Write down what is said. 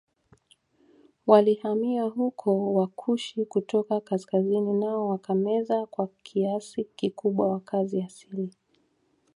Walihamia huko Wakushi kutoka kaskazini nao wakameza kwa kiasi kikubwa wakazi asili